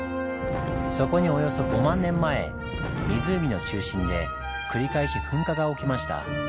そこにおよそ５万年前湖の中心で繰り返し噴火が起きました。